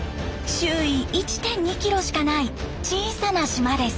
周囲１．２キロしかない小さな島です。